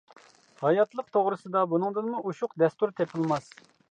ھاياتلىق توغرىسىدا بۇنىڭدىنمۇ ئوشۇق دەستۇر تېپىلماس.